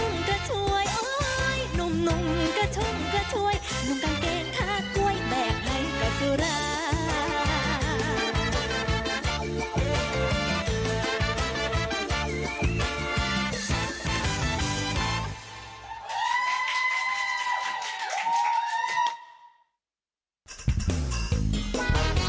นุ่มระทุ่งระท่วยนุ่มกางเกงค่ากล้วยแปบให้ก็สุรา